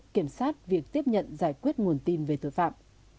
kiểm soát việc tiếp nhận giải quyết nguồn tin về tội phạm